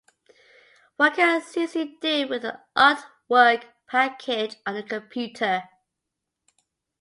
What can Suzy do with the art work package on the computer?